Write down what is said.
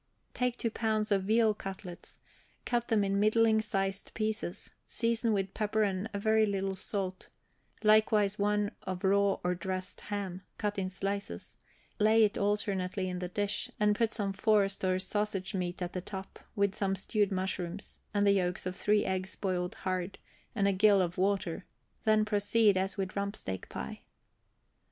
Take two pounds of veal cutlets, cut them in middling sized pieces, season with pepper and a very little salt; likewise one of raw or dressed ham, cut in slices, lay it alternately in the dish, and put some forced or sausage meat at the top, with some stewed mushrooms, and the yolks of three eggs boiled hard, and a gill of water; then proceed as with rumpsteak pie.